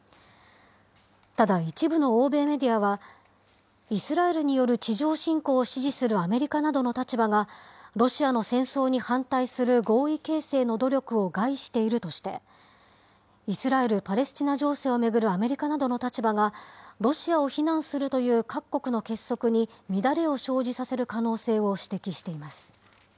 ただ、一部の欧米メディアは、イスラエルによる地上侵攻を支持するアメリカなどの立場がロシアの戦争に反対する合意形成の努力を害しているとして、イスラエル・パレスチナ情勢を巡るアメリカなどの立場が、ロシアを非難するという各国の結束に乱れを生じさせる可能性を指摘しています。